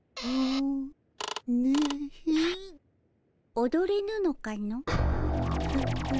おどれぬのかの？